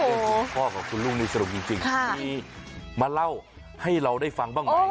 เรื่องของพ่อกับคุณลูกนี่สนุกจริงมีมาเล่าให้เราได้ฟังบ้างไหม